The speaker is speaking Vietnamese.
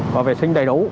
và vệ sinh đầy đủ